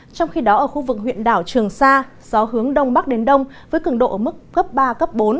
trong khi đó ở khu vực huyện đảo trường sa gió hướng đông bắc đến đông với cứng độ ở mức cấp ba bốn